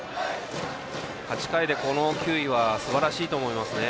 ８回で、この球威はすばらしいと思いますね。